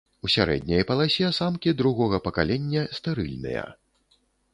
У сярэдняй паласе самкі другога пакалення стэрыльныя.